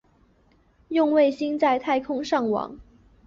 用卫星在太空上网